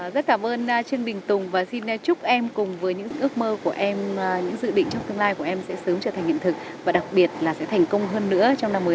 rất cảm ơn trương bình tùng và xin chúc em cùng với những ước mơ của em những dự định trong tương lai của em sẽ sớm trở thành hiện thực và đặc biệt là sẽ thành công hơn nữa trong năm mới hai nghìn một mươi tám này